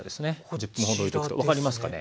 １０分ほどおいとくと分かりますかね。